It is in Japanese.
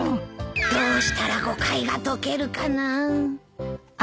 どうしたら誤解が解けるかなあ。